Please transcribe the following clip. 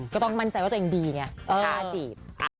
ก็ต้องมั่นใจว่าตัวเองดีไงค่าจีบ